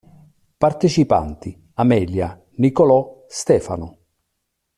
Partecipanti: Amelia, Nicolò, Stefano.